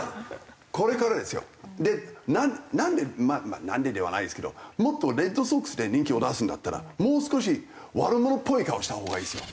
なんでまあなんでではないですけどもっとレッドソックスで人気を出すんだったらもう少し悪者っぽい顔したほうがいいですよ。